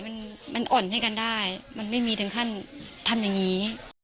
มันมันอ่อนให้กันได้มันไม่มีถึงขั้นทำอย่างนี้